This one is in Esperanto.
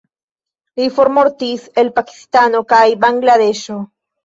Ĝi formortis el Pakistano kaj Bangladeŝo.